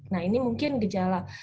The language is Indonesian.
nah ini mungkin gejala